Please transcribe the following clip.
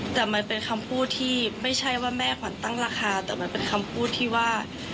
แต่มันเป็นคำพูดที่ไม่ใช่ว่าแม่ขวัญตั้งราคาแต่มันเป็นคำพูดที่ว่า